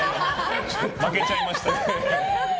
負けちゃいました。